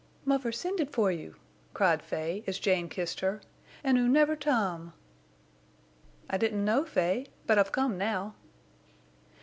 "Muvver sended for oo," cried Fay, as Jane kissed her, "an' oo never tome." "I didn't know, Fay; but I've come now."